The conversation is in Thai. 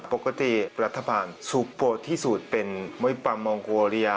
ปกติรัฐบาลสุดโปรดที่สุดเป็นมหิปันมองโกเรีย